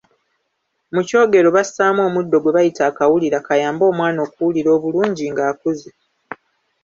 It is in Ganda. Mu kyogero bassaamu omuddo gwe bayita akawulira kayambe omwana okuwulira obulungi ng’akuze.